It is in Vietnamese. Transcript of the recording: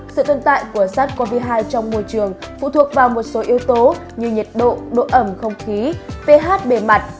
sự tồn tại của sars cov hai trong môi trường phụ thuộc vào một số yếu tố như nhiệt độ độ ẩm không khí phề mặt